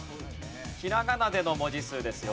ひらがなでの文字数ですよ。